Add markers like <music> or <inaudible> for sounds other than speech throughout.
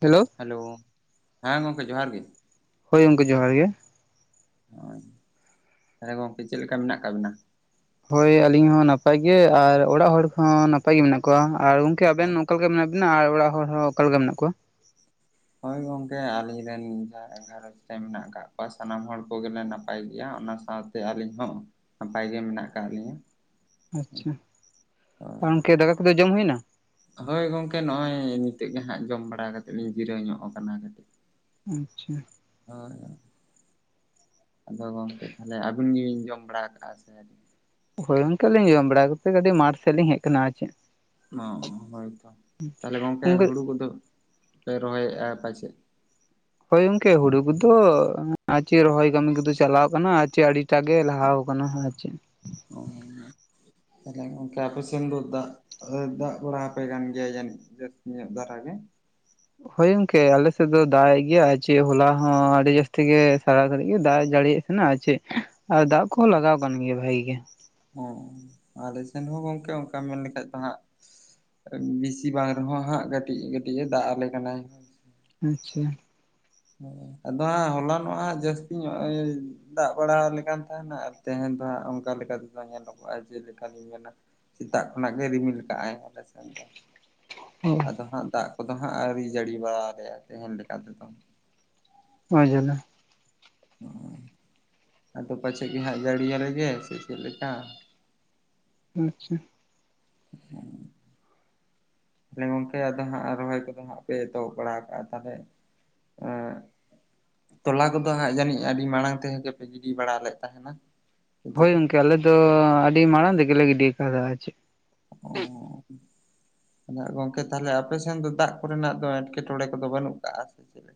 Hello hello, ᱦᱮᱸ ᱜᱚᱝᱠᱮ ᱡᱚᱦᱟᱨ ᱜᱮ ᱾ ᱦᱳᱭ ᱜᱚᱝᱠᱮ, ᱡᱚᱦᱟᱨ ᱜᱮ᱾ ᱟᱸᱪ, ᱛᱟᱞᱦᱮ ᱜᱚᱝᱠᱮ ᱪᱮᱫ ᱞᱮᱠᱟ ᱢᱮᱱᱟᱜ ᱟᱠᱟᱜ ᱵᱤᱱᱟ? ᱦᱳᱭ ᱟᱹᱞᱤᱧ ᱦᱚᱸ ᱱᱟᱯᱟᱭ ᱜᱮ ᱟᱨ ᱚᱲᱟᱜ ᱦᱚᱲ ᱠᱚᱦᱚᱸ ᱱᱟᱯᱟᱭ ᱜᱮ ᱢᱮᱱᱟᱜ ᱠᱚᱣᱟ ᱟᱨ ᱜᱚᱝᱠᱮ ᱟᱵᱮᱱ ᱱᱚᱝᱠᱟ ᱜᱮ ᱢᱮᱱᱟᱜ ᱵᱮ ᱱᱟ ᱟᱨ ᱚᱲᱟᱜ ᱦᱚᱲ ᱦᱚᱸ ᱚᱠᱟ ᱞᱮᱠᱟ ᱢᱮᱱᱟᱜ ᱠᱚᱣᱟ? ᱦᱳᱭ ᱜᱚᱝᱠᱮ ᱟᱞᱤᱧ ᱨᱮᱱ ᱡᱟᱦᱟᱸᱭ ᱜᱷᱟᱨᱚᱸᱧᱡᱽ ᱨᱮ ᱢᱮᱱᱟᱜ ᱟᱠᱟᱫ ᱠᱚᱣᱟ ᱥᱟᱱᱟᱢ ᱦᱚᱲ ᱠᱚᱜᱮᱞᱮ ᱱᱟᱯᱟᱭ ᱜᱮᱭᱟ ᱚᱱᱟ ᱥᱟᱶ ᱥᱮ ᱟᱹᱞᱤᱧ ᱦᱚᱸᱦ ᱱᱟᱯᱟᱭ ᱜᱮ ᱢᱮᱱᱟᱜ ᱟᱠᱟᱫ ᱞᱤᱧᱟᱹ᱾ ᱟᱪ -ᱪᱷᱟ, ᱦᱳᱭ ᱯᱟᱝᱠᱮ ᱫᱟᱠᱟ ᱠᱚᱫᱚ ᱡᱚᱢ ᱦᱳᱭᱮᱱᱟ? ᱦᱳᱭ ᱜᱚᱝᱠᱮ ᱱᱚᱜᱼᱚᱭ ᱱᱤᱛᱚᱜ ᱜᱮ ᱦᱟᱸᱜ ᱡᱚᱢ ᱵᱟᱲᱟ ᱠᱟᱛᱮᱜ ᱞᱤᱧ ᱡᱤᱨᱟᱹᱣ ᱧᱚᱜ ᱟᱠᱟᱱᱟ ᱠᱟᱹᱴᱤᱡ ᱟᱸᱪᱼᱪᱷᱟᱸ ᱾ ᱟᱨ ᱟᱫᱚ ᱜᱚᱝᱠᱮ ᱛᱟᱦᱚᱞᱮ ᱟᱹᱵᱤᱱ ᱜᱮᱵᱤᱱ ᱡᱚᱢ ᱵᱟᱲᱟ ᱟᱠᱟᱜᱼᱟ ᱥᱮ ᱟᱣᱨᱤ? ᱦᱳᱭ ᱜᱚᱝᱠᱮ ᱞᱤᱧ ᱡᱚᱢ ᱵᱟᱲᱟ ᱠᱟᱛᱮᱜ ᱠᱟᱹᱴᱤᱡ ᱢᱟᱴᱷ ᱥᱮᱜ ᱞᱤᱧ ᱦᱮᱡ ᱟᱠᱟᱱᱟ ᱟᱨ ᱪᱮᱜ ᱚᱸ ᱦᱳᱭ ᱛᱚ ᱛᱟᱦᱞᱮ ᱜᱚᱝᱠᱮ ᱜᱚᱢᱠᱮ ᱦᱩᱲᱩ ᱠᱚᱫᱚᱯ ᱯᱮ ᱨᱚᱦᱚᱭᱮᱜᱼᱟ ᱯᱟᱪᱮᱫᱜ? ᱦᱳᱭ ᱜᱚᱝᱠᱮ ᱦᱩᱲᱩ ᱠᱚᱫᱚ ᱟᱪᱮ ᱨᱚᱦᱚᱭ ᱠᱟᱹᱢᱤ ᱠᱚᱫᱚ ᱪᱟᱞᱟᱣ ᱠᱟᱱᱟ ᱟᱨ ᱟᱪᱮ ᱟᱹᱣᱨᱤ ᱾ ᱪᱟ ᱜᱮ ᱞᱟᱦᱟᱣ ᱟᱠᱟᱱᱟ ᱟᱨ ᱪᱮᱫ ᱾ ᱚ ᱛᱟᱦᱞᱮ ᱜᱚᱝᱠᱮ ᱟᱯᱮᱥᱮᱱ ᱫᱚ ᱫᱟᱜ? ᱟᱫᱚᱜ ᱫᱟᱜ ᱵᱟᱲᱟ ᱟᱯᱮ ᱠᱟᱱ ᱜᱮᱭᱟᱭ ᱡᱟᱹᱱᱤᱡ ᱡᱟᱹᱥᱛᱤ ᱧᱚᱜ ᱫᱷᱟᱨᱟ ᱜᱮ? ᱦᱳᱭ ᱜᱚᱝᱠᱮ ᱟᱞᱮ ᱥᱮᱫ ᱫᱚ ᱫᱟᱜ ᱮᱜ ᱜᱮᱭᱟ ᱟᱨ ᱪᱮᱜ ᱦᱚᱞᱟ ᱦᱚᱸ ᱟᱹᱰᱤ ᱡᱟᱹᱟᱥᱛᱤ ᱜᱮ ᱥᱟᱨᱟ ᱜᱷᱟᱹᱨᱤᱡ ᱜᱮ ᱫᱟᱜ ᱮ ᱡᱟᱹᱲᱤ ᱮᱜ ᱦᱮᱱᱟᱜ-ᱟ ᱪᱮᱜ ᱟᱨ ᱫᱟᱜ ᱠᱚ ᱞᱟᱜᱟᱣ ᱟᱠᱟᱱ ᱜᱮᱭᱟ ᱵᱷᱟᱜᱮᱹ ᱜᱮ ᱾ ᱚᱸ, ᱟᱞᱮ ᱥᱮᱱ ᱦᱚᱸ ᱜᱚᱝᱠᱮ ᱚᱱᱠᱟ ᱢᱮᱱ ᱞᱮᱠᱷᱟᱡ ᱫᱚ ᱦᱟᱸᱜ ᱵᱤᱥᱤ ᱵᱟᱝ ᱨᱮᱦᱚᱸ ᱦᱟᱸᱜ ᱠᱟᱹᱴᱤᱡ ᱠᱟᱹᱴᱤᱡ ᱮ ᱫᱟᱜ ᱟᱞᱮ ᱠᱟᱱᱟ ᱾ ᱟᱸᱪᱼᱪᱷᱟ ᱾ ᱟᱫᱚ ᱦᱟᱸᱜ ᱦᱚᱞᱟᱱᱚᱜᱼᱟ ᱦᱟᱸᱜ ᱡᱟᱹᱥᱛᱤ ᱧᱚᱜ ᱮᱻ ᱫᱟᱜ ᱵᱟᱲᱟ ᱟᱞᱮᱠᱟᱱ ᱛᱟᱦᱮᱱᱟ ᱟᱨ ᱛᱮᱸᱦᱮᱸ ᱫᱚ ᱦᱟᱸᱜ ᱚᱱᱠᱟ ᱞᱮᱠᱟ ᱞᱮᱠᱟᱛᱮᱫ ᱧᱮᱞᱚᱜᱚᱜᱼᱟ ᱡᱮᱞᱮᱠᱟ ᱞᱤᱧ ᱢᱮᱱᱟᱼᱼ ᱥᱮᱛᱟᱜ ᱠᱷᱚᱱᱟᱜ ᱜᱮ ᱨᱤᱢᱤᱞ ᱠᱟᱜᱼ ᱟᱭ ᱟᱞᱮ ᱥᱮᱱ ᱫᱚ᱾ ᱦᱮᱸ, ᱟᱫᱚ ᱦᱟᱸᱜ ᱫᱟᱜ ᱠᱚᱫᱚ ᱦᱟᱸᱜ ᱟᱹᱣᱨᱤ ᱡᱟᱹᱲᱤ ᱵᱟᱲᱟ ᱟᱞᱮᱭᱟᱭ ᱛᱮᱦᱮᱧ ᱞᱮᱠᱟ ᱛᱮᱫᱚ᱾ ᱚ ᱡᱟᱞᱮ, ᱟᱫᱚ ᱯᱟᱪᱮᱜ ᱜᱮ ᱦᱟᱸᱜ ᱡᱟᱹᱲᱤᱭᱟᱞᱮᱜᱮ ᱥᱮ ᱪᱮᱫᱮ ᱞᱮᱠᱟ, ᱟᱪᱪᱷᱟ, ᱛᱟᱦᱞᱮ ᱜᱚᱝᱠᱮ ᱟᱫᱚ ᱦᱟᱸᱜ ᱨᱚᱦᱚᱭ ᱠᱚᱫᱚ ᱦᱟᱸᱜ ᱯᱮ ᱮᱛᱚᱦᱚᱵ ᱵᱟᱲᱟ ᱠᱟᱜᱼᱟ ᱛᱟᱦᱚᱞᱮ ᱮᱸ, ᱛᱚᱞᱟ ᱠᱚᱫᱚ ᱦᱟᱸᱜ ᱡᱟᱹᱱᱤᱡ ᱟᱹᱰᱤ ᱢᱟᱲᱟᱝ ᱛᱮᱜᱮ ᱯᱮ ᱜᱤᱰᱤ ᱵᱟᱲᱟ ᱞᱮᱫ ᱛᱟᱦᱮᱱᱟ? ᱥᱮ ᱪᱮᱫ ᱦᱳᱭ ᱞᱮᱠᱟ ᱜᱚᱢᱠᱮ ᱟᱞᱮ ᱫᱚ ᱟᱹᱰᱤ ᱢᱟᱲᱟᱝ ᱨᱮᱜᱮᱞᱮ ᱜᱤᱰᱤ ᱟᱠᱟᱫᱟ ᱟᱨ ᱪᱮᱫ ᱾ ᱚᱻ ᱜᱚᱢᱠᱮ ᱛᱟᱦᱚᱞᱮ ᱟᱯᱮ ᱥᱮᱱ ᱫᱚ ᱫᱟᱜ ᱠᱚᱨᱮᱱᱟᱜ ᱫᱚ ᱮᱸᱴᱠᱮᱴᱚᱬᱮ ᱠᱚᱫᱚ ᱵᱟᱹᱱᱩᱜ ᱠᱟᱜᱼᱟ ᱥᱮ ᱪᱮᱫ?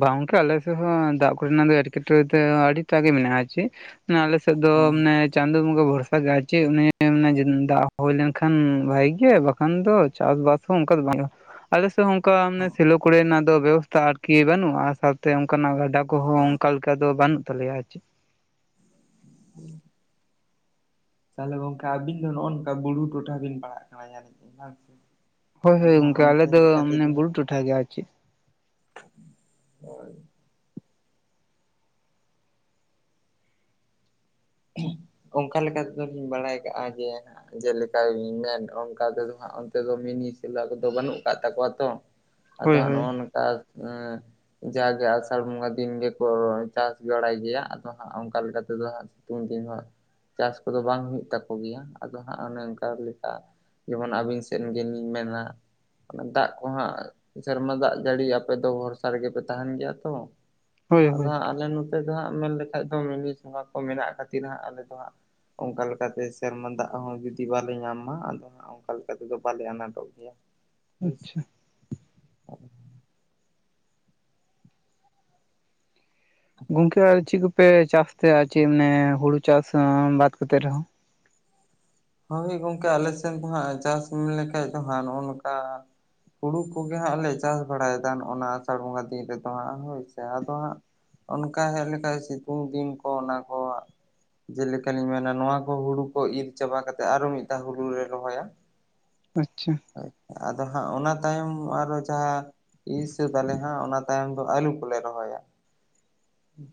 ᱵᱟᱝ ᱜᱚᱢᱠᱮ ᱟᱞᱮ ᱥᱮᱫ ᱦᱚᱸ ᱫᱟᱜ ᱠᱚᱨᱮᱱᱟᱜ ᱫᱚ ᱮᱴᱠᱮᱴᱚᱬᱮ ᱛᱮ ᱟᱹᱰᱤᱴᱟᱜ ᱜᱮ ᱢᱮᱱᱟᱜᱼᱟ ᱪᱮᱫ ᱾ ᱟᱞᱮ ᱥᱮᱫ ᱫᱚ ᱦᱳᱭ ᱢᱟᱱᱮᱼᱼ ᱪᱟᱸᱫᱚ ᱵᱚᱸᱜᱟ ᱵᱷᱚᱨᱥᱟ ᱜᱮ ᱪᱮᱫ ᱩᱱᱤᱭ ᱢᱮᱱᱟ ᱫᱟᱜ ᱦᱩᱭ ᱞᱮᱱᱠᱷᱟᱱ ᱵᱷᱟᱜᱤ ᱜᱮ ᱵᱟᱠᱷᱟᱱ ᱫᱚ ᱪᱟᱥ ᱵᱟᱥᱼᱼ ᱚᱝᱠᱟ ᱫᱚ ᱵᱟᱱᱩᱜ-ᱟ᱾ ᱟᱞᱮ ᱥᱮᱫ ᱦᱚᱸ ᱚᱱᱠᱟ ᱥᱮᱞᱳ ᱠᱚᱨᱮᱱᱟᱜ ᱫᱚ ᱵᱮᱵᱚᱥᱛᱷᱟ ᱟᱨᱠᱤ ᱵᱟᱹᱱᱩᱜᱼᱟ ᱥᱟᱶᱛᱮ ᱚᱱᱠᱟᱱᱟᱜ ᱜᱟᱰᱟᱼᱼ ᱠᱚᱦᱚᱸ ᱚᱱᱠᱟ ᱞᱮᱠᱟ ᱫᱚ ᱵᱟᱹᱱᱩᱜ ᱛᱟᱞᱮᱭᱟ ᱾ <unintelligible> ᱛᱟᱦᱚᱞᱮ ᱜᱚᱢᱠᱮ ᱟᱹᱵᱤᱱ ᱫᱚ ᱱᱚᱜᱼᱚ ᱱᱚᱝᱠᱟ ᱵᱩᱨᱩ ᱴᱚᱴᱷᱟ ᱵᱤᱱ ᱯᱟᱲᱦᱟᱜ ᱠᱟᱱᱟ ᱡᱟᱹᱱᱤᱡ ᱠᱷᱟᱱ? ᱦᱳᱭ ᱦᱳᱭ ᱜᱚᱢᱠᱮ ᱟᱞᱮ ᱫᱚ ᱢᱟᱱᱮ ᱵᱩᱨᱩ ᱴᱚᱴᱷᱟ ᱜᱮ ᱟᱨ ᱪᱮᱫ ᱾ <inaudible> ᱚᱱᱠᱟ ᱞᱮᱠᱟ ᱛᱮᱫᱚᱞᱤᱧ ᱵᱟᱲᱟᱭ ᱠᱟᱜᱼᱟ ᱡᱮᱼᱼ ᱡᱮᱞᱮᱠᱟ ᱜᱮᱵᱤᱱ ᱢᱮᱱ ᱚᱱᱠᱟ ᱛᱮᱫᱚ ᱦᱟᱸᱜ ᱚᱱᱛᱮ ᱫᱚ ᱢᱤᱱᱤ ᱥᱮᱞᱟ ᱠᱚᱫᱚ ᱵᱟᱹᱱᱩᱜ ᱠᱟᱜ ᱛᱟᱠᱚᱣᱟ ᱛᱚ ᱾ ᱟᱫᱚ ᱦᱳᱭ ᱦᱟᱸᱜ ᱦᱳᱭ ᱱᱚᱜ-ᱚ ᱱᱚᱝᱠᱟᱼᱼ ᱡᱟᱜᱮ ᱟᱥᱟᱲ ᱵᱚᱸᱜᱟ ᱫᱤᱱ ᱜᱮᱠᱚ ᱪᱟᱥ ᱡᱚᱲᱟᱭ ᱜᱮᱭᱟ ᱟᱫᱚ ᱦᱟᱸᱜ ᱚᱱᱠᱟ ᱞᱮᱠᱟ ᱛᱮᱫᱚ ᱦᱟᱸᱜᱼᱼ ᱩᱱ ᱫᱤᱱ ᱦᱟᱜ ᱪᱟᱥ ᱠᱚᱫᱚ ᱵᱟᱝ ᱦᱩᱭᱩᱜ ᱛᱟᱠᱚ ᱜᱮᱭᱟ ᱟᱫᱚ ᱦᱟᱸᱜ ᱚᱱᱮ ᱚᱱᱠᱟ ᱞᱮᱠᱟᱼᱼ ᱡᱮᱢᱚᱱ ᱟᱹᱵᱤᱱ ᱥᱮᱫ ᱜᱮᱞᱤᱧ ᱢᱮᱱᱟᱼᱼ ᱫᱟᱜ ᱠᱚ ᱦᱟᱸᱜ ᱥᱮᱨᱢᱟ ᱫᱟᱜ ᱡᱟᱹᱲᱤ ᱟᱯᱮ ᱫᱚ ᱵᱷᱚᱨᱥᱟ ᱨᱮᱜᱮ ᱯᱮ ᱛᱟᱦᱮᱱ ᱜᱮᱭᱟ ᱛᱚ᱾ ᱦᱳᱭ ᱟᱫᱚ ᱦᱳᱭ ᱦᱟᱸᱜ ᱟᱞᱮ ᱱᱚᱛᱮ ᱫᱚ ᱦᱟᱸᱜ ᱢᱮᱱ ᱞᱮᱠᱷᱟᱡ ᱫᱚ ᱢᱤᱱᱤ <unintelligible> ᱠᱚ ᱢᱮᱱᱟᱜ ᱠᱷᱟᱹᱛᱤᱨ ᱦᱟᱸᱜ ᱟᱞᱮ ᱫᱚ ᱦᱟᱸᱜᱼᱼ ᱚᱱᱠᱟ ᱞᱮᱠᱟᱛᱮ ᱥᱮᱨᱢᱟ ᱫᱟᱜ ᱦᱚᱸ ᱡᱩᱫᱤ ᱵᱟᱞᱮ ᱧᱟᱢᱟ ᱟᱫᱚᱼᱼ ᱚᱱᱠᱟ ᱞᱮᱠᱟ ᱛᱮᱫᱚ ᱵᱟᱞᱮ ᱟᱱᱟᱴᱚᱜ ᱜᱮᱭᱟ ᱦᱳᱭ ᱟᱪᱪᱷᱟ ᱥᱮ ᱾ ᱜᱚᱝᱠᱮ ᱟᱨ ᱪᱮᱫ ᱠᱚᱯᱮ ᱪᱟᱥ ᱛᱟᱦᱮᱸ ᱪᱮᱫ ᱢᱟᱱᱮ ᱦᱩᱲᱩ ᱪᱟᱥ ᱵᱟᱫ ᱠᱟᱛᱮ ᱨᱮᱦᱚᱸ? ᱦᱳᱭ ᱜᱚᱢᱠᱮ ᱟᱞᱮ ᱥᱮᱫ ᱫᱚ ᱦᱟᱸᱜ ᱪᱟᱥ ᱢᱮᱱ ᱞᱮᱠᱷᱟᱡ ᱫᱚ ᱦᱟᱸᱜ ᱱᱚᱜᱼᱚ ᱱᱚᱝᱠᱟᱼᱼ ᱦᱩᱲᱩ ᱠᱚᱜᱮ ᱦᱟᱸᱜ ᱞᱮ ᱪᱟᱥ ᱵᱟᱲᱟᱭᱮᱫᱟ ᱱᱚᱜ-ᱚ ᱱᱚᱣᱟ ᱟᱥᱟᱲ ᱵᱚᱸᱜᱟ ᱫᱤᱱ ᱨᱮᱫᱚ ᱦᱟᱸᱜ ᱦᱳᱭ ᱥᱮ ᱟᱫᱚ ᱦᱟᱸᱜᱼᱼ ᱚᱱᱠᱟ ᱦᱮᱡ ᱞᱮᱠᱷᱟᱡ ᱥᱤᱛᱩᱝ ᱫᱤᱱ ᱠᱚ ᱚᱱᱟ ᱠᱚᱼᱼ ᱡᱮᱞᱮᱠᱟ ᱞᱤᱧ ᱢᱮᱱᱟ ᱱᱚᱣᱟ ᱠᱚ ᱦᱩᱲᱩ ᱠᱚ ᱤᱨ ᱪᱟᱵᱟ ᱠᱟᱛᱮᱫ ᱟᱨᱚ ᱢᱤᱫ ᱫᱷᱟᱣ ᱦᱩᱲᱩ ᱞᱮ ᱨᱚᱦᱚᱭᱟ ᱾ ᱟᱪᱪᱷᱟ᱾ ᱟᱫᱚ ᱦᱟᱸᱜ ᱚᱱᱟ ᱛᱟᱭᱚᱢ ᱟᱨᱚ ᱡᱟᱦᱟᱸᱼᱼ ᱤᱨ ᱥᱟᱹᱛ ᱟᱞᱮ ᱦᱟᱸᱜ ᱚᱱᱟ ᱛᱟᱭᱚᱢ ᱫᱚ ᱟᱹᱞᱩ ᱠᱚᱞᱮ ᱨᱚᱦᱚᱭᱟ ᱾ ᱦᱩᱸ <inaudible>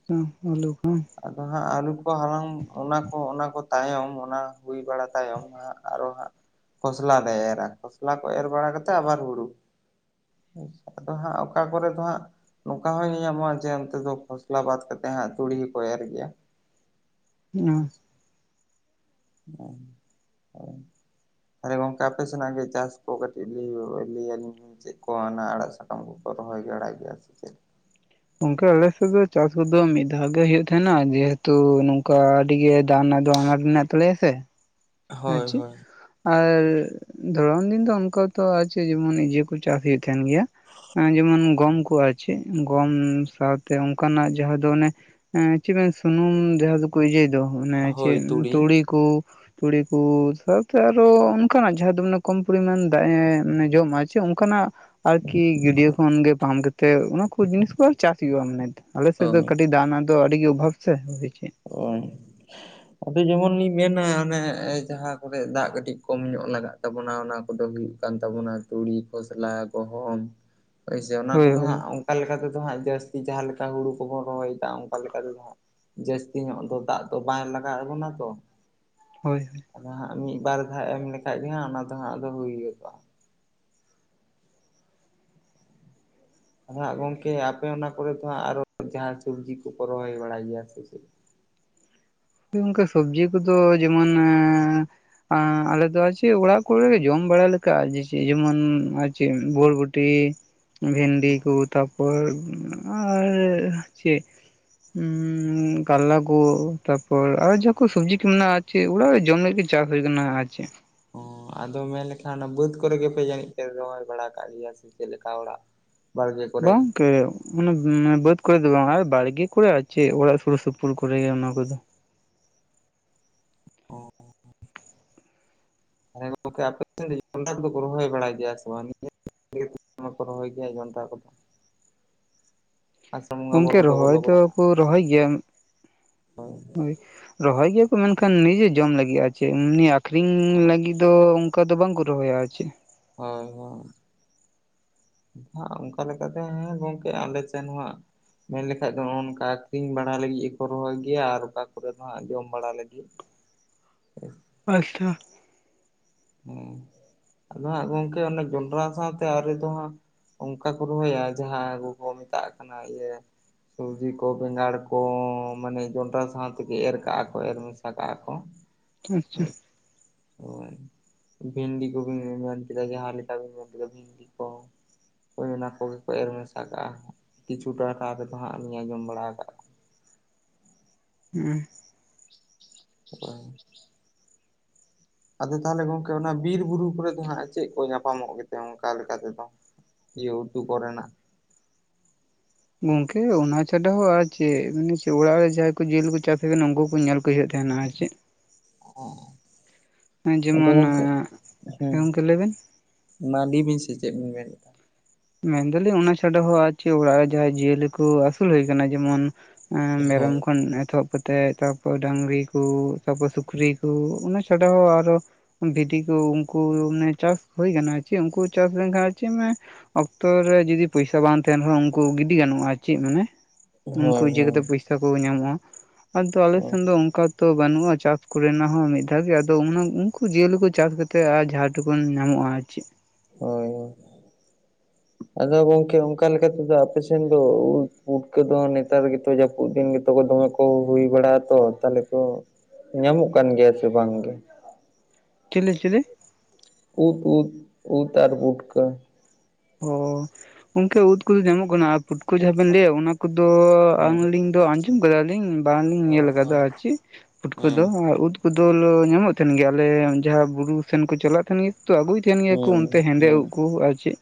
ᱟᱹᱞᱩ <inaudible> ᱟᱫᱚ ᱦᱟᱸᱜ ᱟᱹᱞᱩ ᱠᱚ ᱦᱟᱞᱟᱝ ᱚᱱᱟ ᱠᱚ ᱚᱱᱟ ᱠᱚ ᱛᱟᱭᱚᱢ ᱚᱱᱟ ᱦᱩᱭ ᱵᱟᱲᱟ ᱛᱟᱭᱚᱢᱼᱼ ᱟᱨᱚ ᱦᱟᱸᱜ ᱠᱷᱚᱥᱞᱟ ᱞᱮ ᱮᱨᱟ ᱠᱷᱚᱥᱞᱟ ᱠᱚ ᱮᱨ ᱵᱟᱲᱟ ᱠᱟᱛᱮᱫ ᱟᱵᱟᱨ ᱦᱩᱲᱩ᱾ ᱦᱳᱭ ᱥᱮ ᱟᱫᱚ ᱦᱟᱸᱜ ᱚᱠᱟ ᱠᱚᱨᱮ ᱫᱚ ᱦᱟᱸᱜ ᱱᱚᱠᱟ ᱦᱚᱸ ᱧᱮ ᱧᱟᱢᱚᱜ-ᱟ ᱡᱮ ᱚᱱᱛᱮ ᱫᱚ ᱠᱷᱚᱥᱞᱟ ᱵᱟᱫ ᱠᱟᱛᱮ ᱦᱟᱸᱜ ᱛᱩᱲᱤ ᱠᱚ ᱮᱨ ᱜᱮᱭᱟ <unintelligible> ᱛᱟᱦᱞᱮ ᱜᱚᱝᱠᱮ ᱟᱯᱮ ᱥᱮᱱᱟᱜ ᱜᱮ ᱪᱟᱥ ᱠᱚ ᱠᱟᱹᱴᱤᱡ ᱞᱟᱹᱭ ᱞᱟᱹᱭ ᱟᱹᱞᱤᱧ ᱪᱮᱜ ᱠᱚ ᱦᱟᱱᱟ ᱟᱲᱟᱜ ᱥᱟᱠᱟᱢ ᱠᱚᱠᱚ ᱨᱚᱦᱚᱭ ᱵᱟᱲᱟᱭ ᱜᱮᱭᱟ ᱥᱮ ᱪᱮᱫ? ᱜᱚᱝᱠᱮ ᱟᱞᱮ ᱥᱮᱫ ᱫᱚ ᱪᱟᱥ ᱠᱚᱫᱚ ᱢᱤᱫ ᱫᱷᱟᱣ ᱜᱮ ᱦᱳᱭᱳᱜ ᱛᱟᱦᱮᱸᱱᱟ ᱡᱮᱦᱮᱛᱩ ᱱᱚᱝᱠᱟ ᱟᱹᱰᱤ ᱜᱮ ᱫᱟᱜ ᱨᱮᱱᱟᱜ ᱫᱚ ᱟᱱᱟᱴ ᱢᱮᱱᱟᱜ ᱛᱟᱞᱮᱭᱟ ᱥᱮ, ᱟᱨ ᱦᱳᱭ ᱪᱮᱫ ᱦᱳᱭ ᱟᱨ ᱫᱷᱚᱨᱚᱱ ᱫᱤᱱ ᱫᱚ ᱚᱱᱠᱟᱛᱚ ᱟᱨ ᱪᱮᱫ ᱡᱮᱢᱚᱱ ᱤᱭᱟᱹ ᱠᱚ ᱪᱟᱥ ᱦᱩᱭᱩᱜ ᱛᱷᱮᱱ ᱜᱮᱭᱟ ᱡᱮᱢᱚᱱ ᱜᱚᱢ ᱠᱚ ᱟᱨ ᱪᱮᱫ ᱜᱚᱢ ᱥᱟᱶᱛᱮ ᱚᱝᱠᱟᱱᱟᱜ ᱡᱟᱦᱟᱸ ᱫᱚ ᱚᱱᱮ ᱪᱮᱫ ᱥᱩᱱᱩᱢ ᱡᱟᱦᱟᱸ ᱫᱚ ᱠᱩ ᱤᱭᱟᱹᱭ ᱫᱚ ᱚᱱᱮ ᱪᱮᱫ ᱛᱩᱲᱤ ᱠᱩ ᱛᱩᱲᱤ ᱠᱩ ᱥᱟᱶᱛᱮ ᱟᱨᱚ ᱚᱱᱠᱟᱱᱟᱜ ᱡᱟᱦᱟᱸ ᱫᱚ ᱢᱟᱱᱮ ᱠᱚᱢ ᱯᱚᱨᱤᱢᱟᱱ ᱫᱟᱜ ᱮ ᱡᱚᱢᱟ ᱪᱮ ᱚᱝᱠᱟᱱᱟᱜ ᱟᱨᱠᱤ ᱜᱟᱹᱰᱭᱟᱹ ᱠᱷᱚᱱ ᱜᱮ ᱯᱟᱢ ᱠᱟᱛᱮᱫ ᱚᱱᱟ ᱠᱚ ᱡᱤᱱᱤᱥ ᱠᱚ ᱟᱨ ᱪᱟᱥ ᱦᱩᱭᱩᱜ-ᱟ ᱢᱟᱱᱮ᱾ ᱟᱞᱮ ᱥᱮᱫ ᱫᱚ ᱦᱳᱭ ᱠᱟᱹᱴᱤᱡ ᱫᱟᱜ ᱨᱮᱱᱟᱜ ᱫᱚ ᱟᱹᱰᱤ ᱜᱮ ᱚᱵᱷᱟᱵ ᱥᱮ ᱦᱩᱭ ᱪᱮᱫ, ᱚᱭ ᱟᱫᱚ ᱡᱮᱢᱚᱱ ᱞᱤᱧ ᱢᱮᱱᱟ ᱚᱱᱮ ᱡᱟᱦᱟᱸ ᱠᱚᱨᱮ ᱫᱟᱜ ᱠᱟᱹᱴᱤᱡ ᱠᱚᱢ ᱧᱚᱜ ᱞᱟᱜᱟᱜ, ᱛᱟᱵᱚᱱᱟ ᱚᱱᱟ ᱠᱚᱫᱚ ᱦᱩᱭᱩᱜ ᱠᱟᱱ ᱛᱟᱵᱚᱱᱟ ᱛᱩᱲᱤ ᱠᱷᱚᱥᱞᱟ ᱜᱚᱦᱚᱢ ᱦᱳᱭ ᱥᱮ ᱚᱱᱟ ᱠᱚᱫᱚ ᱦᱟᱸᱜ ᱚᱝ ᱠᱟ ᱞᱮᱠᱟ ᱛᱮᱫᱚ ᱦᱟᱸᱜ ᱡᱟᱹᱥᱛᱤ ᱡᱟᱦᱟᱸ ᱞᱮᱠᱟ ᱦᱩᱲᱩ ᱠᱚᱵᱚᱱ ᱨᱚᱦᱚᱭᱮᱫᱟ ᱚᱝᱠᱟ ᱞᱮᱠᱟᱛᱮᱫᱚ ᱦᱟᱸᱜ ᱡᱟᱹᱥ ᱛᱤ ᱧᱚᱜ ᱫᱚ ᱫᱟᱜ ᱫᱚ ᱵᱟᱭ ᱞᱟᱜᱟᱣ ᱮᱫ ᱵᱚᱱᱟ ᱛᱚ, ᱦᱳᱭ ᱦᱳᱭ ᱟᱫᱚ ᱦᱟᱸᱜ ᱢᱤᱫ ᱵᱟᱨ ᱫᱷᱟᱣ ᱮᱢ ᱞᱮᱠᱷᱟᱡ ᱜᱮ ᱦᱟᱸᱜ ᱚᱱᱟ ᱫᱚ ᱦᱟᱸᱜ ᱟᱫᱚ ᱦᱩᱭ ᱜᱚᱫᱚᱜ-ᱟ᱾ ᱟᱫᱚ ᱦᱟᱸᱜ ᱜᱚᱝᱠᱮ ᱟᱯᱮ ᱚᱱᱟ ᱠᱚᱨᱮ ᱫᱚ ᱦᱟᱸᱜ ᱟᱨᱚ ᱡᱟᱦᱟᱸ ᱥᱚᱵᱡᱤ ᱠᱚᱠᱚ ᱨᱚᱦᱚᱭ ᱵᱟᱲᱟᱭ ᱜᱮᱭᱟ ᱥᱮ ᱪᱮᱫ? ᱦᱳᱭ ᱚᱝᱠᱟ ᱥᱚᱵᱡᱤ ᱠᱚᱫᱚ ᱡᱮᱢᱚᱱ ᱮᱸᱻ ᱟ ᱟᱞᱮᱫ ᱫᱚ ᱟᱨ ᱪᱮᱫ ᱚᱲᱟᱜ ᱠᱚᱨᱮᱞᱮ ᱡᱚᱢ ᱵᱟᱲᱟ ᱞᱮᱠᱟ ᱡᱮ ᱪᱮᱫ ᱡᱮᱢᱚᱱ ᱟᱨ ᱪᱮᱫ ᱵᱳᱨᱵᱳ ᱴᱤ ᱵᱷᱮᱱᱰᱤ ᱠᱚ ᱛᱟ ᱯᱚᱨ ᱟᱨ ᱪᱮᱜᱱ ᱩᱸ ᱠᱟᱨᱞᱟ ᱠᱚ ᱛᱟᱯᱚᱨ ᱟᱨᱚ ᱡᱟᱦᱟᱸ ᱠᱚ ᱥᱚᱵᱽᱡᱤ ᱠᱚ ᱢᱮᱱᱟᱜ-ᱟ ᱟᱨ ᱪᱮᱫ ᱚᱲᱟᱜ ᱨᱮ ᱡᱚᱢ ᱞᱟᱜᱤᱫ ᱜᱮ ᱪᱟᱥ ᱦᱚᱭ ᱠᱟᱱᱟ ᱟᱨ ᱪᱮᱫ᱾ ᱚ ᱟᱫᱚ ᱢᱮᱱ ᱞᱮᱠᱷᱟᱱ ᱚᱱᱟ ᱵᱟᱹᱫᱽ ᱠᱚᱨᱮ ᱜᱮᱯᱮ ᱡᱟᱹᱱᱤᱡ ᱯᱮ ᱨᱚᱦᱚᱭ ᱵᱟᱲᱟ ᱠᱟᱜ ᱜᱮᱭᱟ ᱥᱮ ᱪᱮᱫ ᱞᱮᱠᱟ ᱚᱲᱟᱜ ᱵᱟᱲᱜᱮ ᱠᱚᱨᱮ ᱵᱟᱝ ᱠᱮ ᱚᱱᱟ ᱚᱱᱟ ᱵᱟᱹᱫᱽ ᱠᱚᱨᱮ ᱫᱚ ᱵᱟᱝ ᱟᱨ ᱵᱟᱲᱜᱮ ᱠᱚᱨᱮ ᱟᱨ ᱪᱮᱫ ᱚᱲᱟᱜ ᱥᱩᱨ ᱥᱩᱯᱩᱨ ᱠᱚᱨᱮᱜᱮ ᱚᱱᱟ ᱠᱚᱫᱚ᱾ ᱚᱸ ᱛᱟᱦᱚᱞᱮ ᱜᱚᱝᱠᱮ ᱟᱯᱮ ᱴᱷᱮᱱ ᱫᱚ ᱡᱚᱱᱰᱨᱟ ᱠᱚᱫᱚᱠᱚ ᱨᱚᱦᱚᱭ ᱵᱲᱟᱭ ᱜᱮᱭᱟ ᱥᱮ ᱵᱟᱝ? ᱢᱮᱠᱚ ᱨᱚᱦᱚᱭ ᱜᱮᱭᱟ ᱡᱚᱱᱰᱨᱟ ᱠᱚᱫᱚ᱾ ᱟᱥᱟᱲ ᱵᱚᱸᱜᱟ ᱵᱚᱨ ᱜᱚᱝᱠᱮ ᱠᱚᱫᱚ ᱨᱚᱦᱚᱭ ᱵᱚᱞᱚ ᱜᱚᱫᱚᱜ ᱦᱟᱸᱜ ᱫᱚᱠᱩ ᱨᱚᱦᱚᱭ ᱜᱮᱭᱟ ᱦᱳᱭ ᱨᱚᱦᱚᱭ ᱜᱮᱭᱟᱠᱚ ᱢᱮᱱᱠᱷᱟᱱ ᱱᱤᱡᱮ ᱡᱚᱢ ᱞᱟᱹᱜᱤᱫ ᱟᱨ ᱪᱮᱫ ᱮᱢᱱᱤ ᱟᱠᱷᱨᱤᱧ ᱞᱟᱹᱜᱤᱫ ᱫᱚ ᱠᱟ ᱫᱚ ᱵᱟᱝᱠᱚ ᱨᱚᱦᱚᱭᱟ ᱟᱨ ᱪᱮᱫ ᱦᱳᱭ ᱦᱳᱭ ᱫᱚ ᱦᱟᱸᱜ ᱚᱝᱠᱟ ᱞᱮᱠᱟᱛᱮ ᱦᱮᱸ ᱜᱚᱝᱠᱮ ᱟᱞᱮ ᱥᱮᱱ ᱦᱚᱸ ᱦᱟᱜ ᱢᱮᱱ ᱞᱮᱠᱷᱟᱡ ᱫᱚ ᱱᱚᱜ ᱚᱱᱠᱟ ᱟᱠᱷᱨᱤᱧ ᱵᱟᱲᱟ ᱞᱟᱹᱜᱤᱫ ᱦᱚᱠᱚ ᱨᱚᱦᱚᱭ ᱜᱮᱭᱟ ᱟᱨ ᱚᱠᱟ ᱠᱚᱨᱮᱫ ᱫᱚ ᱦᱟᱜ ᱡᱚᱢ ᱵᱟᱲᱟ ᱞᱟᱹᱜᱤᱫ ᱦᱮᱸ ᱟᱪᱪᱷᱟ ᱦᱮᱸ ᱟᱫᱚ ᱦᱟᱸᱜ ᱜᱚᱝᱠᱮ ᱚᱱᱮ ᱡᱚᱱᱰᱨᱟ ᱥᱟᱶᱛᱮ ᱟᱹᱨᱤ ᱫᱚ ᱦᱟᱸᱜ ᱚᱝᱠᱟ ᱠᱚ ᱨᱚᱦᱚᱭᱟ ᱡᱟᱦᱟᱸ ᱠᱚ ᱠᱚ ᱢᱮᱛᱟᱜ ᱠᱟᱱᱟ ᱤᱭᱟᱹ ᱥᱚᱵᱡᱤ ᱠᱚ ᱵᱮᱸᱜᱟᱲ ᱠᱚ ᱢᱟᱱᱮ ᱡᱚᱱᱰᱨᱟ ᱥᱟᱶ ᱛᱮᱜᱮ ᱮᱨ ᱠᱟᱜ-ᱟ ᱠᱚ ᱮᱨ ᱢᱮᱥᱟ ᱠᱟᱜ-ᱟ ᱠᱚ᱾ ᱟᱪᱪᱷᱟ ᱟᱪᱪᱷ ᱚ ᱵᱷᱮᱱᱰᱤ ᱠᱚᱵᱤᱱ ᱢᱮᱱ ᱠᱮᱫᱟ ᱡᱟᱦᱟ ᱞᱮᱠᱟ ᱵᱤᱱ ᱢᱮᱱ ᱠᱮᱫᱟ ᱵᱷᱮᱱᱰᱤ ᱠᱚ᱾ ᱦᱳᱭ ᱚᱱᱟ ᱠᱚᱜᱮ ᱠᱚ ᱮᱨ ᱢᱮᱥᱟ ᱠᱟᱜᱼᱟ ᱠᱤᱪᱷᱩ ᱴᱟ ᱷᱟᱱᱟ ᱦᱟᱸᱜ ᱟᱱᱟ ᱜᱮᱠᱚ ᱞᱤᱧ ᱟᱸᱡᱚᱢ ᱵᱟᱲᱟ ᱟᱠᱟᱫᱣᱟ᱾ ᱦᱮᱸ ᱦᱳᱭ ᱟᱫᱚ ᱛᱟᱦᱚᱞᱮ ᱜᱚᱝᱠᱮ ᱚᱱᱟ ᱵᱤᱨ ᱵᱩᱨᱩ ᱠᱚᱨᱮ ᱫᱚ ᱦᱟᱸᱜ ᱪᱮᱫ ᱠᱚ ᱧᱟᱯᱟᱢᱚᱜ ᱜᱮᱛᱮ ᱚᱱᱠᱟ ᱞᱮᱠᱟ ᱛᱮᱫᱚ? ᱤᱭᱩ ᱩᱴᱩ ᱠᱚᱨᱮ ᱱᱟᱜ᱾ ᱜᱚᱝᱠᱮ ᱚᱱᱟ ᱪᱷᱟᱰᱟ ᱦᱚᱸ ᱟᱨ ᱪᱮᱫ ᱮᱢᱱᱮ ᱪᱮᱫ ᱚᱲᱟᱜ ᱨᱮ ᱡᱟᱦᱟᱸᱭ ᱠᱚ ᱡᱤᱭᱟᱞᱤ ᱠᱚ ᱪᱟᱥ ᱟᱠᱟᱱᱟ ᱩᱱᱠᱩ ᱠᱚ ᱧᱮᱞ ᱠᱟᱭᱦᱟᱜ ᱛᱟᱦᱮᱱᱟ ᱟᱨ ᱪᱮᱫ᱾ <unintelligible> ᱟᱫᱚ ᱜᱚᱝᱠᱮ ᱟᱡᱚᱢᱟᱱᱟᱜ᱾ ᱦᱮᱸ ᱜᱚᱝᱠᱮ ᱞᱟᱹᱭᱵᱮᱱ? ᱢᱟ ᱞᱤ ᱵᱤᱱ ᱥᱮ ᱪᱮᱫ ᱵᱤᱱ ᱢᱮᱱ ᱮᱫ ᱛᱟᱦᱮᱫ? ᱢᱮᱱ ᱫᱟᱞᱤᱧ ᱚᱱᱟ ᱪᱷᱟᱰᱟ ᱦᱚᱸ ᱟᱨ ᱪᱮᱫ ᱚᱲᱟᱜ ᱨᱮ ᱡᱟᱦᱟᱸ ᱡᱤᱭᱟᱹᱞᱤ ᱠᱚ ᱟᱹᱥᱩᱞ ᱦᱩᱭ ᱟᱠᱟᱱᱟ ᱡᱮᱢᱚᱱ ᱮ ᱢᱮᱨᱚᱢ ᱦᱳᱭ ᱠᱷᱚᱱ ᱮᱛᱚᱦᱚᱵ‌ ᱠᱟᱛᱮᱜ ᱛᱟᱯᱚᱨ ᱰᱟᱝᱨᱤ ᱠᱚ ᱛᱟᱯᱚᱨ ᱥᱩᱠᱨᱤ ᱠᱚ ᱚᱱᱟ ᱪᱷᱟᱰᱟ ᱦᱚᱸ ᱟᱨᱚ ᱵᱷᱤᱰᱤ ᱠᱚ ᱩᱱᱠᱩ ᱢᱟᱱᱮ ᱪᱟᱥ ᱦᱩᱭ ᱠᱟᱱᱚᱜᱟ ᱪᱮᱫ ᱩᱱᱠᱩ ᱪᱟᱥ ᱞᱮᱱᱠᱷᱟᱱ ᱪᱮ ᱢᱟᱭ ᱚᱠᱛᱚ ᱨᱮ ᱡᱩᱫᱤ ᱯᱚᱭᱥᱟ ᱵᱟᱝ ᱛᱟᱦᱮᱱ ᱨᱮᱦᱚᱸ ᱩᱱᱠᱩ ᱜᱤᱰᱤ ᱜᱟᱱᱚᱜᱼᱟ ᱪᱮᱫ ᱢᱟᱱᱮ ᱩᱱᱠᱩ ᱦᱳᱭ ᱤᱭᱟᱹ ᱦᱳᱭ ᱠᱟᱛᱮᱜ ᱯᱚᱭᱥᱟ ᱥᱮᱠᱚ ᱧᱟᱢᱚᱜᱼᱟ ᱟᱫᱚ ᱦᱳᱭ ᱟᱞᱮᱥᱱ ᱫᱚ ᱚᱱᱠᱟ ᱛᱚ ᱵᱟᱹᱱᱩᱜᱼᱟ ᱪᱟᱥ ᱠᱚᱨᱮᱱᱟᱜ ᱦᱚᱸ ᱢᱤᱫ ᱫᱷᱟᱣ ᱜᱮ ᱟᱫᱚ ᱚᱱᱟ ᱩᱱᱠᱩ ᱡᱤᱭᱟᱹᱞᱤ ᱠᱚ ᱪᱟᱥ ᱠᱟᱛᱮ ᱟᱡᱷᱟᱴ ᱴᱩᱠᱩᱱ ᱧᱟᱢᱚᱜ-ᱟ ᱟᱨ ᱪᱮᱫ? ᱦᱳᱭ ᱦᱳᱭ। ᱟᱫᱚ ᱜᱚᱝᱠᱮ ᱚᱱᱠᱟ ᱞᱮᱠᱟᱛᱮ ᱫᱚ ᱟᱯᱮ ᱥᱮᱫ ᱫᱚ ᱩᱫ ᱯᱩᱴᱠᱟᱹ ᱫᱚ ᱱᱮᱛᱟᱨ ᱜᱮᱛᱚ ᱡᱟᱹᱯᱩᱫ ᱫᱤᱱ ᱜᱮᱛᱚ ᱠᱚ ᱫᱚᱢᱮ ᱠᱚ ᱠᱚ ᱦᱩᱭ ᱵᱟᱲᱟᱜ ᱛᱚ ᱛᱟᱞᱦᱮ ᱛᱚ ᱧᱟᱢᱚᱜ ᱠᱟᱱ ᱜᱮᱭᱟ ᱥᱮ ᱵᱟᱝ ᱜᱮ। ᱪᱮᱞᱮ ᱪᱮᱞᱮ? ᱩᱫ ᱩᱫ ᱩᱫ ᱟᱨ ᱯᱩᱴᱠᱟ. ᱾ ᱚ ᱜᱚᱢᱠᱮ ᱩᱫ ᱠᱚᱫᱚ ᱧᱟᱢᱚᱜ ᱠᱟᱱᱟ ᱟᱨ ᱯᱩᱴ᱾ ᱠᱩ ᱡᱟᱦᱟᱸ ᱵᱮᱱ ᱞᱟᱹᱭᱟ ᱚᱱᱟ ᱠᱚᱫᱚ ᱟᱞᱤᱧ ᱫᱚ ᱟᱸᱡᱚᱢ ᱠᱟᱫᱟᱞᱤᱧ ᱵᱟᱝᱞᱤᱧ ᱧᱮᱞ ᱟᱠᱟᱫᱟ ᱪᱤᱫ ᱯᱩᱴᱠᱟ ᱦᱮᱸ ᱫᱚ ᱩᱫᱽ ᱩᱱᱠᱩ ᱫᱚ ᱧᱟᱢᱚᱜ ᱛᱟᱦᱮᱱ ᱜᱮᱭᱟ ᱟᱞᱮ ᱡᱟᱦᱟᱸ ᱵᱩᱨᱩ ᱥᱮᱱ ᱠᱚ ᱪᱟᱞᱟᱜ ᱛᱟᱦᱮᱸᱱ ᱜᱮᱛᱚ ᱟᱹᱜᱩᱭ <unintelligible> ᱜᱮᱭᱟᱠᱚ ᱦᱳᱭ ᱦᱳᱭ ᱦᱩᱸ ᱚᱱᱛᱮ ᱦᱮᱸᱫᱮ ᱩᱫ ᱠᱚ ᱟᱨ ᱪᱮᱫ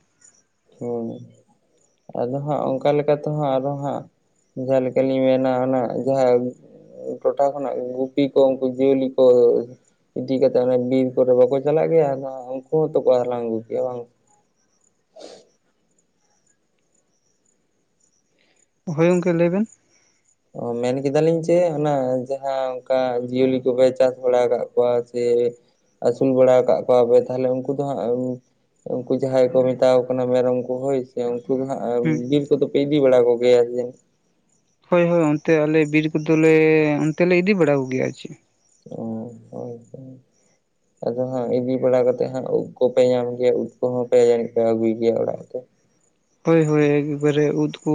ᱦᱮᱸ ᱟᱫᱚ ᱦᱟᱸᱜ ᱚᱱᱠᱟ ᱞᱮᱠᱟ ᱛᱮᱦᱚᱸ ᱟᱨ ᱦᱚ ᱦᱟᱸᱜ ᱡᱟᱦᱟᱸ ᱞᱮᱠᱟᱤᱧ ᱢᱮᱱᱟ ᱚᱱᱟ ᱡᱟᱦᱟᱸᱭ᱾ ᱴᱚᱴᱷᱟ ᱠᱷᱚᱱᱟᱜ ᱜᱮ ᱜᱩᱯᱤ ᱠᱚ ᱩᱱᱠᱩ ᱡᱤᱭᱟᱹᱞᱤ ᱠᱚ। ᱤᱫᱤ ᱠᱟᱛᱮᱜ ᱚᱱᱮ ᱵᱤᱨ ᱠᱚᱨᱮ ᱵᱟᱠᱚ ᱪᱟᱞᱟᱜ ᱜᱮᱭᱟ ᱩᱱᱠᱩ ᱦᱚᱸᱛᱚ ᱠᱚ ᱦᱟᱞᱟᱝ ᱟᱹᱜᱩ ᱜᱮᱭᱟ ᱵᱟᱝ। ᱦᱳᱭ ᱜᱚᱝᱠᱮ ᱞᱟᱹᱭᱵᱮᱱ। ᱢᱮᱱ ᱠᱮᱫᱟᱞᱤᱧ ᱡᱮ ᱚᱱᱟ ᱡᱟᱦᱟᱸ ᱚᱱᱠᱟ ᱡᱤᱭᱟᱹᱞᱤ ᱠᱚᱯᱮ ᱪᱟᱥ ᱵᱟᱲᱟ ᱟᱠᱟᱫ ᱠᱚᱣᱟ ᱪᱮ ᱟᱹᱥᱩᱞ ᱵᱟᱲᱟ ᱟᱠᱟᱫ ᱠᱚᱣᱟ ᱯᱮ ᱛᱟᱦᱞᱮ ᱩᱱᱠᱩ ᱫᱚ ᱦᱟᱸᱜ ᱩᱱᱠᱩ ᱡᱟᱦᱟᱸᱭ ᱠᱚ ᱢᱮᱛᱟᱣ ᱠᱚ ᱠᱟᱱᱟ ᱢᱮᱨᱚᱢ ᱠᱚ ᱦᱳᱭ ᱥᱮ ᱩᱱᱠᱩ ᱫᱚ ᱦᱟᱸᱜ। ᱟᱨ ᱦᱩᱸ ᱵᱤᱨ ᱠᱚᱫᱚ ᱯᱮ ᱤᱫᱤ ᱵᱟᱲᱟ ᱠᱚᱜᱮᱭᱟ ᱡᱮ ᱦᱳᱭ ᱦᱳᱭ ᱚᱱᱛᱮ ᱟᱞᱮ ᱵᱤᱨ ᱠᱚᱫᱚᱞᱮ ᱚᱱᱛᱮ ᱞᱮ ᱤᱫᱤ ᱵᱟᱲᱟ ᱠᱚᱜᱮᱭᱟ ᱪᱮᱫ᱾ ᱚ ᱦᱳᱭ ᱦᱳᱭ᱾ ᱟᱫᱚ ᱦᱟᱸᱜ ᱤᱫᱤ ᱵᱟᱲᱟ ᱠᱟᱛᱮᱫ ᱦᱟᱸᱜ ᱩᱵ ᱠᱚᱯᱮ ᱧᱟᱢ ᱜᱮᱭᱟ ᱩᱫ ᱠᱚᱦᱚᱸ ᱯᱮ ᱟᱹᱜᱩᱭ ᱜᱮᱭᱟ ᱚᱲᱟᱜ ᱛᱮ। ᱦᱳᱭ ᱦᱳᱭ ᱮᱠᱵᱟᱨᱮ ᱩᱫ ᱠᱩ।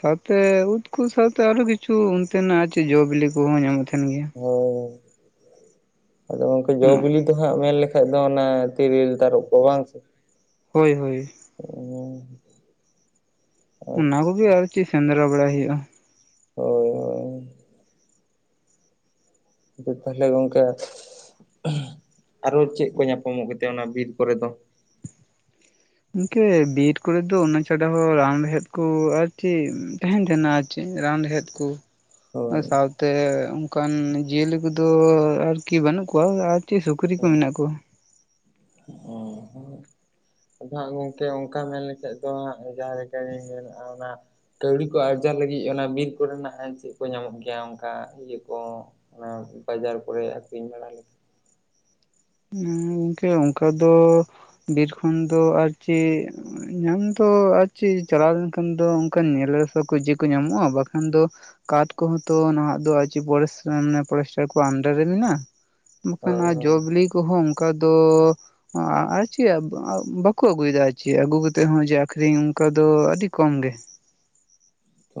ᱥᱟᱶᱛᱮ ᱩᱫ ᱠᱚ ᱥᱟᱶᱛᱮ ᱟᱨ ᱦᱚᱸ ᱠᱤᱪᱷᱩ ᱚᱱᱛᱮᱱᱟᱜ ᱡᱚ ᱵᱤᱞᱤ ᱠᱚᱦᱚᱸ ᱧᱟᱢᱚᱜ ᱛᱟᱦᱮᱸᱱ ᱜᱮᱭᱟ। ᱤᱧ ᱟᱫᱚ ᱜᱚᱝᱠᱮ ᱡᱚ ᱚᱱᱟ ᱵᱤᱞᱤ ᱫᱚ ᱦᱮᱸᱜ ᱢᱮᱱ ᱞᱮᱠᱷᱟᱡ ᱫᱚ ᱚᱱᱟ ᱛᱤᱨᱤᱞ, ᱛᱟᱨᱚᱯ ᱠᱚ ᱵᱟᱝ ᱥᱮ? ᱦᱳᱭ ᱦᱳᱭ ᱾ ᱩᱸᱻ ᱾ ᱚᱱᱟ ᱠᱚᱜᱮ ᱟᱨ ᱪᱮᱫ ᱥᱮᱸᱫᱽᱨᱟ ᱵᱟᱲᱟᱭ ᱦᱩᱭᱩᱜ-ᱟ ᱾ ᱦᱳᱭ ᱦᱳᱭ <unintelligible> ᱟᱫᱚ ᱛᱟᱦᱚᱞᱮ ᱜᱚᱝᱠᱮ <inaudible> ᱟᱨᱚ ᱪᱮᱫ ᱠᱚ ᱧᱟᱯᱟᱢᱚᱜ ᱜᱮᱛᱮ ᱚᱱᱟ ᱵᱤᱨ ᱠᱚᱨᱮ ᱫᱚ? ᱜᱚᱝᱠᱮ ᱵᱤᱨ ᱠᱚᱨᱮ ᱫᱚ ᱚᱱᱟ ᱪᱷᱟᱰᱟ ᱦᱚᱸ ᱨᱟᱱ ᱨᱮᱦᱮᱫ ᱠᱚ ᱟᱨ ᱪᱤᱫ ᱛᱟᱦᱮᱸᱱ ᱛᱟᱦᱮᱸᱱᱟ। ᱪᱮᱫ ᱨᱟᱱ ᱨᱮᱦᱮᱫ ᱠᱚ। ᱟᱨ ᱦᱳᱭ ᱥᱟᱶᱛᱮ ᱚᱱᱠᱟᱱ ᱡᱤᱭᱟᱹᱞᱤ ᱠᱚᱫᱚ ᱟᱨᱠᱤ ᱵᱟᱹᱱᱩᱜ ᱠᱚᱣᱟ ᱟᱨ ᱪᱤᱫ ᱥᱩᱠᱨᱤ ᱠᱚ ᱢᱮᱱᱟᱜ ᱠᱚ। ᱩᱸ ᱦᱩᱸ ᱾ ᱟᱫᱚ ᱦᱟᱸᱜ ᱜᱚᱝᱠᱮ ᱚᱱᱠᱟ ᱢᱮᱱ ᱞᱮᱠᱷᱟᱡ ᱫᱚ ᱦᱟᱸᱜ ᱡᱟᱦᱟᱸ ᱞᱮᱠᱟ ᱜᱮ ᱢᱮᱱᱮᱫ-ᱟ ᱚᱱᱟ ᱠᱟᱹᱣᱰᱤ ᱠᱚ ᱟᱨᱡᱟᱣ ᱞᱟᱹᱜᱤᱫ ᱚᱱᱟ ᱵᱤᱨ ᱠᱚᱨᱮᱱᱟᱜ ᱪᱮᱫ ᱠᱚ ᱧᱟᱢᱚᱜ ᱜᱮᱭᱟ ᱚᱱᱠᱟ ᱤᱭᱟᱹ ᱠᱚ? ᱚᱱᱟ ᱵᱟᱡᱟᱨ ᱠᱚᱨᱮ ᱟᱹᱠᱷᱨᱤᱧ ᱵᱟᱲᱟ ᱞᱮᱠᱟ? ᱜᱚᱝᱠᱮ ᱚᱱᱠᱟ ᱫᱚ ᱵᱤᱨ ᱠᱷᱚᱱ ᱫᱚ ᱟᱨ ᱪᱮᱫ ᱧᱟᱢ ᱫᱚ ᱟᱨ ᱪᱮᱫ ᱪᱟᱞᱟᱣ ᱞᱮᱱᱠᱷᱟᱱ ᱫᱚ ᱚᱱᱠᱟᱱ ᱧᱮᱞᱮ ᱨᱟᱥᱟ ᱠᱚᱡᱮ ᱠᱚ ᱧᱟᱢᱚᱜ-ᱟ, ᱵᱟᱠᱷᱟᱱ ᱫᱚ ᱠᱟᱴ ᱠᱚᱦᱚᱸ ᱛᱚ ᱱᱟᱦᱟᱜ ᱫᱚ ᱟᱨ ᱪᱮᱜ ᱯᱚᱨᱤᱥ <unintelligible> ᱯᱚᱨᱮᱥᱴᱟᱨ ᱠᱚᱣᱟᱜ ᱟᱱᱰᱟᱨ ᱨᱮ ᱢᱮᱱᱟᱜ-ᱟ ᱾ ᱵᱟᱠᱷᱟᱱ ᱦᱳᱭ ᱦᱟᱸᱜ ᱡᱚ ᱦᱳᱭ ᱵᱤᱞᱤ ᱠᱚᱦᱚᱸ ᱚᱱᱠᱟ ᱫᱚ ᱟᱨ ᱪᱮᱫ ᱵᱟᱠᱚ ᱟᱹᱜᱩᱭᱮᱫᱟ ᱟᱨ ᱪᱮᱫ ᱟᱹᱜᱩ ᱠᱟᱛᱮᱫ ᱦᱚᱸ ᱡᱮ ᱟᱹᱠᱷᱨᱤᱧ ᱚᱱᱠᱟ ᱫᱚ ᱟᱹᱰᱤ ᱠᱚᱢ ᱜᱮ ᱾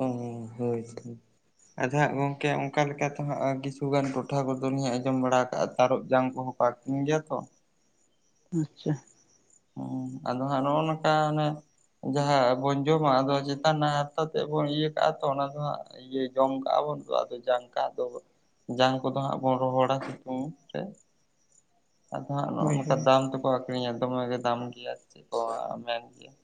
ᱚ ᱦᱩᱸ ᱦᱳᱭ ᱛᱚ ᱾ ᱟᱫᱚ ᱦᱟᱸᱜ ᱜᱚᱝᱠᱮ ᱚᱱᱠᱟ ᱞᱮᱠᱟ ᱛᱮ ᱦᱟᱸᱜ ᱠᱤᱪᱷᱩ ᱜᱟᱱ ᱴᱚᱴᱷᱟ ᱠᱚᱫᱚ ᱞᱤᱧ ᱟᱸᱡᱚᱢ ᱵᱟᱲᱟ ᱠᱟᱜ-ᱟ ᱛᱟᱨᱚᱵᱽ ᱡᱟᱝ ᱠᱚᱦᱚᱸ ᱠᱚ ᱟᱹᱠᱷᱨᱤᱧ ᱜᱮᱭᱟ ᱛᱚ ᱾ ᱟᱪᱪᱷᱟ ᱾ ᱦᱩᱸ ᱟᱫᱚ ᱦᱟᱸᱜ ᱱᱚᱜ-ᱚ ᱱᱚᱝᱠᱟ ᱚᱱᱮ ᱡᱟᱦᱟᱸ ᱟᱵᱚᱱ ᱡᱚᱢᱟ ᱟᱫᱚ ᱪᱮᱛᱟᱱ ᱨᱮᱱᱟᱜ ᱦᱟᱨᱛᱟ ᱛᱮᱜ ᱵᱚᱱ ᱤᱭᱟᱹ ᱠᱟᱜᱼᱟ ᱛᱚ ᱚᱱᱟ ᱫᱚ ᱦᱟᱸᱜ ᱤᱭᱟᱹ ᱡᱚᱝᱠᱟᱜᱼᱟ ᱵᱚᱱ ᱛᱚ ᱟᱫᱚ ᱡᱟᱝᱠᱟ ᱟᱫᱚ ᱡᱟᱝ ᱠᱚᱫᱚ ᱦᱟᱸᱜ ᱵᱚᱱ ᱨᱚᱦᱚᱲᱟ ᱥᱤᱛᱩᱝ ᱨᱮ ᱾ ᱟᱫᱚ ᱦᱟᱸᱜ ᱱᱚᱜᱼᱚ ᱦᱳᱭ ᱱᱚᱝᱠᱟ ᱦᱳᱭ ᱫᱟᱢ ᱛᱮᱠᱚ ᱟᱠᱷᱨᱤᱧᱟ ᱫᱚᱢᱮ ᱜᱮ ᱫᱟᱢ ᱜᱮᱭᱟ ᱟᱨ ᱪᱮᱜ ᱠᱚ ᱢᱮᱱ ᱜᱮᱭᱟ ᱾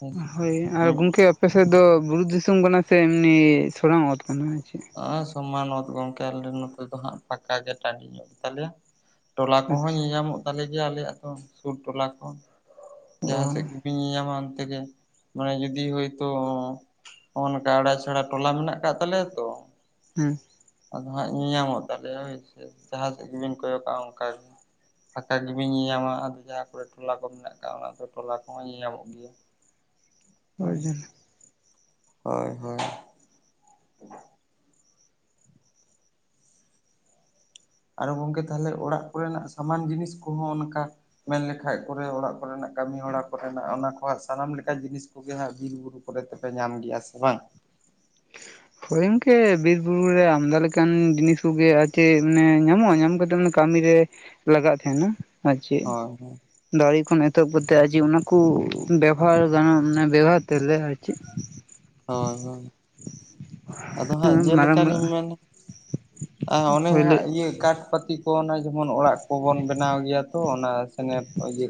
ᱦᱮᱸ ᱦᱳᱭ ᱟᱨ ᱜᱚᱝᱠᱮ ᱟᱯᱮ ᱥᱮᱜ ᱫᱚ ᱵᱩᱨᱩ ᱫᱤᱥᱚᱢ ᱠᱟᱱᱟ ᱥᱮ ᱮᱢᱱᱤ ᱥᱚᱨᱟᱝ ᱚᱛ ᱠᱟᱱᱟ ᱟᱨ ᱪᱮᱜ? ᱮᱸ ᱥᱚᱢᱟᱱ ᱚᱛ ᱜᱚᱝᱠᱮ ᱟᱞᱮ ᱱᱚᱛᱮ ᱫᱚ ᱦᱟᱸᱜ ᱯᱷᱟᱠᱟ ᱜᱮ ᱴᱟᱺᱰᱤ ᱧᱚᱜ ᱜᱮᱛᱟ ᱞᱮᱭᱟ ᱾ ᱴᱚᱞᱟ ᱠᱚᱦᱚᱸ ᱟᱪᱪᱷᱟ ᱧᱮ-ᱧᱟᱢᱚᱜ ᱛᱟᱞᱮ ᱜᱮᱭᱟ ᱟᱞᱮᱭᱟᱜ ᱫᱚ ᱥᱩᱨ ᱴᱚᱞᱟ ᱠᱚ ᱾ ᱚ ᱡᱟᱦᱟᱸ ᱥᱮᱜ ᱜᱮ ᱵᱤᱱ ᱧᱮ-ᱧᱟᱢᱟ ᱚᱱᱛᱮ ᱜᱮ ᱢᱟᱱᱮ ᱡᱩᱫᱤ ᱦᱚᱭᱛᱳ ᱦᱚᱜᱼᱚ ᱱᱚᱠᱟ ᱟᱲᱟ ᱪᱷᱟᱲᱟ ᱴᱚᱞᱟ ᱢᱮᱱᱟᱜ ᱟᱠᱟᱜ ᱛᱟᱞᱮᱭᱟ ᱛᱚ ᱦᱩᱸ ᱾ ᱟᱫᱚ ᱦᱟᱸᱜ ᱧᱮ-ᱧᱟᱢᱚᱜ ᱛᱟᱞᱮᱭᱟ ᱦᱳᱭᱥᱮ ᱡᱟᱦᱟᱸ ᱥᱮᱜ ᱜᱮᱵᱤᱱ ᱠᱚᱭᱚᱜᱼᱟ ᱚᱝᱠᱟ ᱜᱮ ᱾ ᱯᱷᱟᱠᱟ ᱜᱤᱵᱤᱱ ᱧᱮ-ᱧᱟᱢᱟ, ᱟᱫᱚ ᱡᱟᱦᱟᱸ ᱠᱚᱨᱮ ᱴᱚᱞᱟ ᱠᱚ ᱢᱮᱱᱟᱜ ᱠᱟᱜᱼᱟ ᱚᱱᱟ ᱠᱚ ᱴᱚᱞᱟ ᱠᱚᱦᱚᱸ ᱧᱮ-ᱧᱟᱢᱚᱜ ᱜᱮᱭᱟ ᱾ <unintelligible> ᱚ ᱡᱟᱞᱟ ᱾ ᱦᱳᱭ ᱦᱳᱭ ᱾ ᱟᱨ ᱜᱚᱝᱠᱮ ᱛᱟᱦᱚᱞᱮ ᱚᱲᱟᱜ ᱠᱚᱨᱮᱱᱟᱜ ᱥᱟᱢᱟᱱ ᱡᱤᱱᱤᱥ ᱠᱚᱦᱚᱸ ᱚᱱᱠᱟ ᱢᱮᱱ ᱞᱮᱠᱷᱟᱡ ᱠᱚᱨᱮ ᱚᱲᱟᱜ ᱠᱚᱨᱮᱱᱟᱜ ᱠᱟᱹᱢᱤ ᱦᱚᱲᱟ ᱠᱚᱨᱮᱱᱟᱜ ᱚᱱᱟ ᱠᱚ ᱦᱟᱸᱜ ᱥᱟᱱᱟᱢ ᱞᱮᱠᱟ ᱡᱤᱱᱤᱥ ᱠᱚᱜᱮ ᱦᱟᱸᱜ ᱵᱤᱨ ᱵᱩᱨᱩ ᱠᱚᱨᱮ ᱛᱚᱯᱮ ᱧᱟᱢ ᱜᱮᱭᱟ ᱥᱮ ᱵᱟᱝ? <unintelligible> ᱦᱳᱭ ᱜᱚᱝᱠᱮ ᱵᱤᱨ ᱵᱩᱨᱩ ᱨᱮ ᱟᱢᱫᱟ ᱞᱮᱠᱟᱱ ᱡᱤᱱᱤᱥ ᱠᱚᱜᱮ ᱟᱨ ᱪᱮᱜ ᱢᱟᱱᱮ ᱧᱟᱢᱚᱜᱼᱟ ᱧᱟᱢ ᱠᱟᱛᱮᱜ ᱢᱟᱱᱮ ᱠᱟᱹᱢᱤ ᱨᱮ ᱞᱟᱜᱟᱜ ᱛᱟᱸᱦᱮᱱᱟ ᱟᱨ ᱪᱮᱜ ᱦᱳᱭ ᱾ ᱫᱟᱨᱮ ᱠᱷᱚᱱ ᱮᱛᱚᱦᱚᱵ ᱠᱟᱛᱮᱜ ᱟᱨ ᱡᱮ ᱚᱱᱟᱠᱩ ᱵᱮᱵᱚᱦᱟᱨ ᱜᱟᱱᱚᱜ ᱢᱟᱱᱮ ᱵᱮᱵᱚᱦᱟᱨ ᱛᱮᱦᱮᱜ ᱞᱮ ᱟᱨ ᱪᱮᱜ, ᱦᱚᱸ ᱦᱚᱸ ᱟᱫᱚ ᱦᱟᱸᱜ ᱢᱟᱨᱟᱝ ᱢᱟᱨᱟᱝ ᱡᱮᱞᱮᱠᱟᱞᱤᱧ ᱢᱮᱱᱟ ᱟ ᱚᱱᱮ ᱦᱩᱭ ᱞᱮ ᱦᱟᱸᱜ ᱤᱭᱟᱹ ᱠᱟᱴ ᱯᱟᱹᱛᱤ ᱠᱚ ᱚᱱᱟ ᱡᱮᱢᱚᱱ ᱚᱲᱟᱜ ᱠᱚᱵᱚᱱ ᱵᱮᱱᱟᱣ ᱜᱮᱭᱟ ᱛᱚ ᱚᱱᱟ ᱥᱮᱱᱮᱨ ᱤᱭᱟᱹ